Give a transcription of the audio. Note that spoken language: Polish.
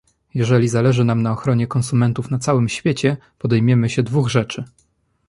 Jeżeli zależy nam na ochronie konsumentów na całym świecie, podejmiemy się dwóch rzeczy